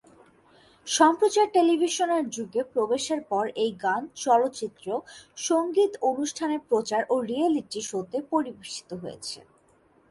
সম্প্রচার টেলিভিশনের যুগে প্রবেশের পর এই গান, চলচ্চিত্র সংগীত অনুষ্ঠানে প্রচার ও রিয়েলিটি শোতে পরিবেশিত হয়েছে।